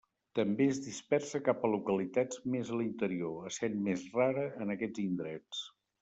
També es dispersa cap a localitats més a l'interior, essent més rara en aquests indrets.